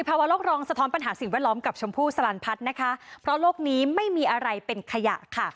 กติภาวะโรครองสะท้อนปัญหาศรีอ้อนร้องกับชมพูสลันพัฒน์นะคะเพราะโลกนี้ไม่มีอะไรเป็นขยะค่ะ